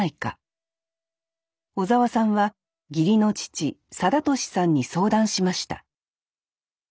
尾澤さんは義理の父定俊さんに相談しました